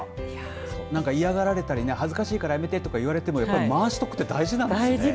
何か嫌がられたり恥ずかしいからやめてとか言われても回しとくって大事なんですね。